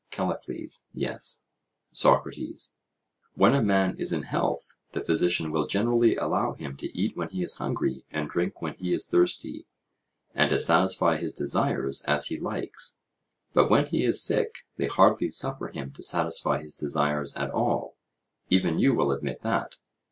CALLICLES: Yes. SOCRATES: When a man is in health the physicians will generally allow him to eat when he is hungry and drink when he is thirsty, and to satisfy his desires as he likes, but when he is sick they hardly suffer him to satisfy his desires at all: even you will admit that?